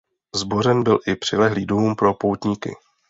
Zbořen byl i přilehlý dům pro poutníky.